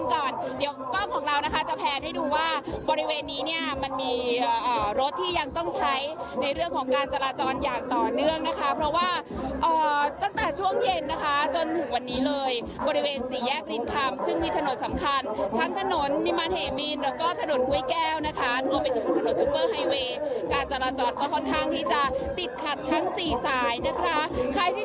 ก่อนเดี๋ยวกล้องของเรานะคะจะแพรให้ดูว่าบริเวณนี้เนี่ยมันมีรถที่ยังต้องใช้ในเรื่องของการจราจรอย่างต่อเนื่องนะคะเพราะว่าตั้งแต่ช่วงเย็นนะคะจนถึงวันนี้เลยบริเวณสี่แยกรินคำซึ่งมีถนนสำคัญทั้งถนนนิมันเหมีนแล้วก็ถนนห้วยแก้วนะคะรวมไปถึงถนนซุปเปอร์ไฮเวย์การจราจรก็ค่อนข้างที่จะติดขัดทั้งสี่สายนะคะใครที่